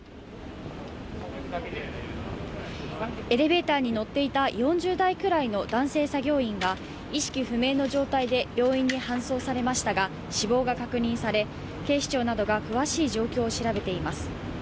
エレベーターに乗っていた４０代くらいの男性作業員が意識不明の状態で病院に搬送されましたが死亡が確認され、警視庁などが詳しい状況を調べています。